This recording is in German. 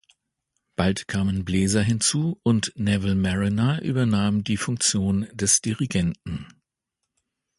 Bald kamen Bläser hinzu, und Neville Marriner übernahm die Funktion des Dirigenten.